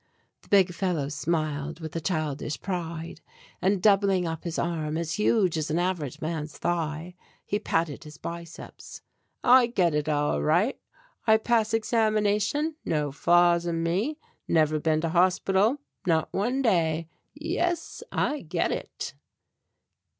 The big fellow smiled with a childish pride, and doubling up his arm, as huge as an average man's thigh, he patted his biceps. "I get it all right. I pass examination, no flaws in me, never been to hospital, not one day. Yes, I get it."